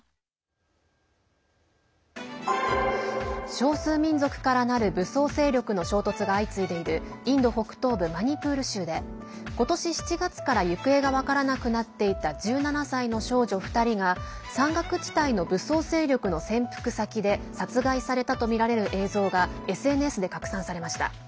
少数民族からなる武装勢力の衝突が相次いでいるインド北東部マニプール州で今年７月から行方が分からなくなっていた１７歳の少女２人が山岳地帯の武装勢力の潜伏先で殺害されたとみられる映像がＳＮＳで拡散されました。